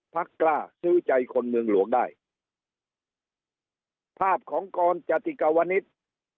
กล้าซื้อใจคนเมืองหลวงได้ภาพของกรจติกาวนิษฐ์